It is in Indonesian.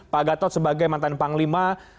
pak gatot sebagai mantan panglima